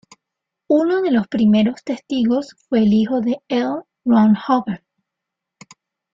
Uno de los primeros testigos fue el hijo de L. Ron Hubbard.